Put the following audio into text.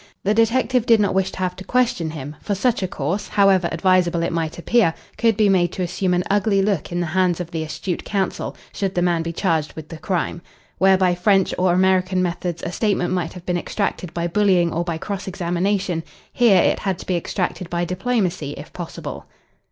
The detective did not wish to have to question him, for such a course, however advisable it might appear, could be made to assume an ugly look in the hands of the astute counsel, should the man be charged with the crime. Where by French or American methods a statement might have been extracted by bullying or by cross examination, here it had to be extracted by diplomacy if possible.